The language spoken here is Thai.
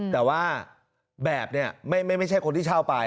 แต่ว่าแบบนี้ไม่ใช่คนที่เช่าไป